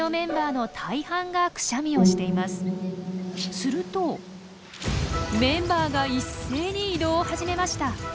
するとメンバーが一斉に移動を始めました。